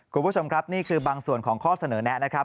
คุณผู้ชมครับนี่คือบางส่วนของข้อเสนอแนะนะครับ